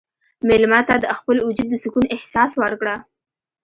مېلمه ته د خپل وجود د سکون احساس ورکړه.